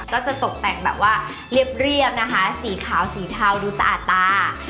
ก็จะตกแต่งแบบว่าเรียบนะคะสีขาวสีเทาดูสะอาดตา